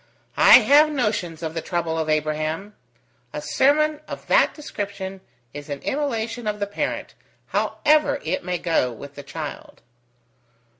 "I have notions of the trouble of Abraham. A sermon of that description is an immolation of the parent, however it may go with the child."